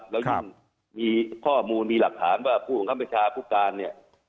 แล้วยิ่งมีข้อมูลมีหลักฐานว่าผู้บังคับบัญชาผู้การเนี่ย